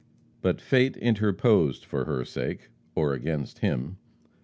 But fate interposed for her sake, or against him.